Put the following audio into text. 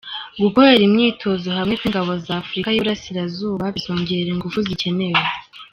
Gukorera imyitozo hamwe kw’Ingabo za Afurika y’Iburasirazuba bizongera ingufu zikenewe